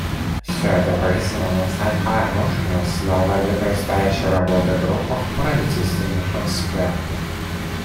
Все это призвано стать хорошей основой для предстоящей работы группы правительственных экспертов.